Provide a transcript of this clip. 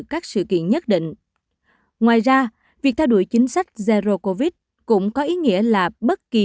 các sự kiện nhất định ngoài ra việc theo đuổi chính sách zero covid cũng có ý nghĩa là bất kỳ